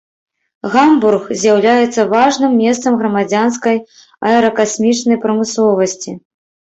Гамбург, з'яўляецца важным месцам грамадзянскай аэракасмічнай прамысловасці.